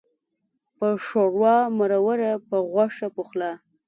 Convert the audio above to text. په ښوروا مروره، په غوښه پخلا.